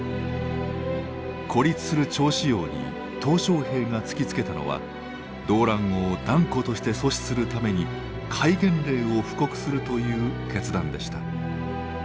孤立する趙紫陽に小平が突きつけたのは動乱を断固として阻止するために戒厳令を布告するという決断でした。